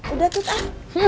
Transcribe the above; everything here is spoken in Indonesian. udah tut ah